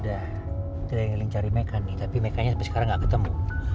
bu isah kita udah ling liling cari mika nih tapi mika nya sampai sekarang gak ketemu